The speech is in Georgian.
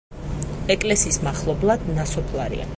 ეკლესიის მახლობლად ნასოფლარია.